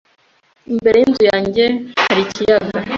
Imbere yinzu yanjye hari ikiyaga.